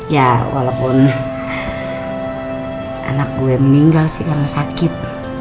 ya walaupun anak gue meninggal sih karena sakit